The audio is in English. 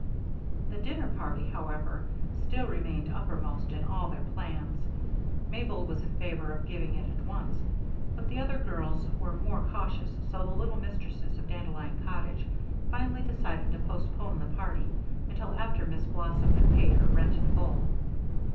The dinner party, however, still remained uppermost in all their plans. Mabel was in favor of giving it at once, but the other girls were more cautious, so the little mistresses of Dandelion Cottage finally decided to postpone the party until after Miss Blossom had paid her rent in full.